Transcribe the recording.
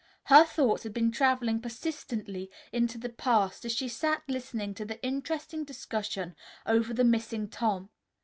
Her thoughts had been traveling persistently into the past as she sat listening to the interesting discussion over the missing Tom.